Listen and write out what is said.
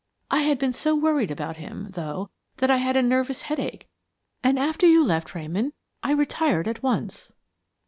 I had been so worried about him, though, that I had a nervous headache, and after you left, Ramon, I retired at once.